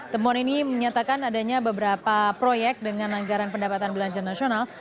temuan ini menyatakan adanya beberapa proyek dengan anggaran pendapatan belanja nasional